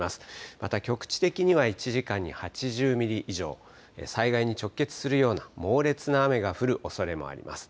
また局地的には１時間に８０ミリ以上、災害に直結するような猛烈な雨が降るおそれもあります。